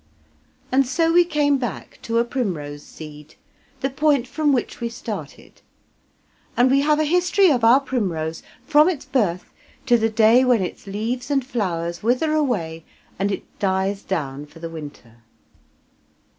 And so we came back to a primrose seed, the point from which we started; and we have a history of our primrose from its birth to the day when its leaves and flowers wither away and it dies down for the winter.